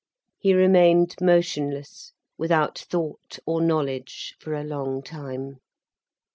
He remained motionless, without thought or knowledge, for a long time.